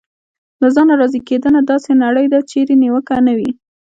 له ځانه راضي کېدنه: داسې نړۍ ده چېرې نیوکه نه وي.